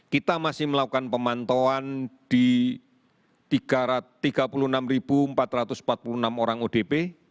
kita masih melakukan pemantauan di tiga puluh enam empat ratus empat puluh enam orang odp